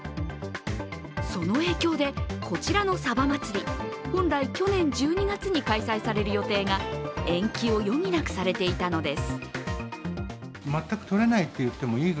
その影響で、こちらのさば祭本来去年１２月に開催される予定が延期を余儀なくされていたのです。